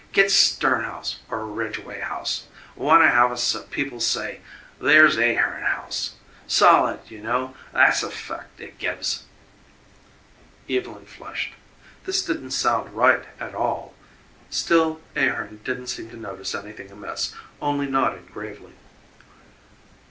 Get Stearne house or Ridgeway house. Wanna have it so people say: 'There's Ahearn house.' Solid, you know, tha's effec' it gives." Evylyn flushed. This didn't sound right at all. Still Ahearn didn't seem to notice anything amiss, only nodded gravely.